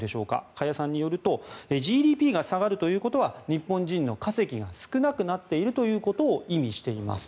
加谷さんによるとＧＤＰが下がるということは日本人の稼ぎが少なくなっているということを意味しています。